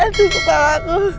aduh kepala aku